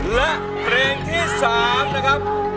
และเพลงที่๓นะครับ